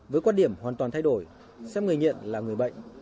với quan điểm hoàn toàn thay đổi xem người nghiện là người bệnh